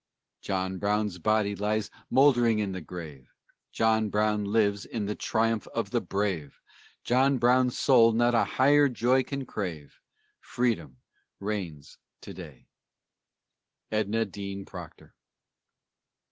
John Brown's body lies mouldering in the grave; John Brown lives in the triumph of the brave; John Brown's soul not a higher joy can crave, Freedom reigns to day! EDNA DEAN PROCTOR.